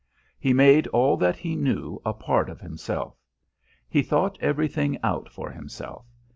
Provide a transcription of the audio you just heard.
He made all that he knew a part of himself. He thought everything out for himself.